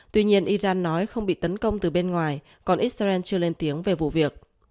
tuy nhiên iran nói không bị tấn công từ bên ngoài còn israel chưa lên tiếng về vụ việc